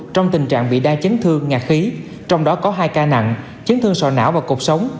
trong tình trạng bị đa chấn thương ngạc khí trong đó có hai ca nặng chấn thương sò não và cuộc sống